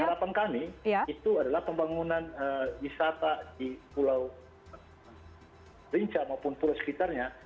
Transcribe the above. harapan kami itu adalah pembangunan wisata di pulau rinca maupun pulau sekitarnya